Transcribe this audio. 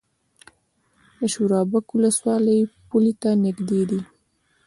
د شورابک ولسوالۍ پولې ته نږدې ده